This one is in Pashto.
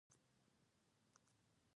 که له پېښي وتښتې نو ستونزه نه حل کېږي.